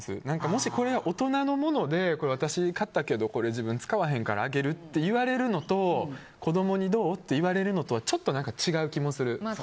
もし、これが大人のもので私、買ったけど使わんからあげるって言われるのと子供にどう？って言われるのとはちょっと違う気もする。